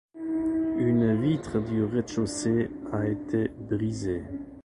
Une vitre du rez-de chaussée a été brisée.